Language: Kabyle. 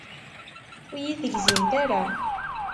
Ur iyi-tegzimt ara.